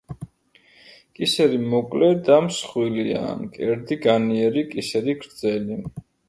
კისერი მოკლე და მსხვილია, მკერდი განიერი, კისერი გრძელი.